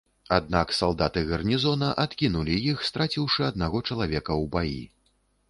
Аднак салдаты гарнізона адкінулі іх, страціўшы аднаго чалавека ў баі.